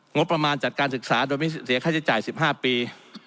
งบประมาณจัดการศึกษาโดยไม่เสียค่าใช้จ่าย๑๕ปี